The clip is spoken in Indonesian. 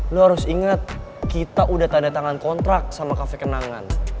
lu harus inget kita udah tanda tangan kontrak sama cafe kenangan